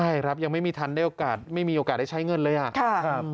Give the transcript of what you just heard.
ใช่ครับยังไม่มีทันได้โอกาสไม่มีโอกาสได้ใช้เงินเลยอ่ะ